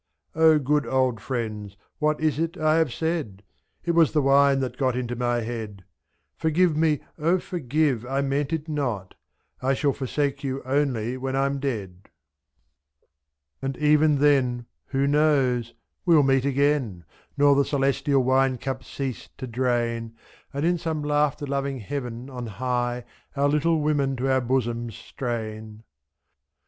good old friends, what is it I have said ? It was the wine that got into my head — SI. Forgive me, O forgive, I meant it not, 1 shall forsake you only when Fm dead. 29 And even then — who knows? — we'll meet again. Nor the celestial wine cup cease to drain, .3^2, And in some laughter loving heaven on high Our little women to our bosoms strain.